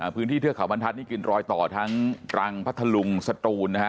เทือกเขาบรรทัศน์นี่กินรอยต่อทั้งตรังพัทธลุงสตูนนะฮะ